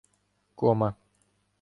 Кома